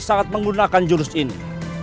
sangat menggunakan jurus ini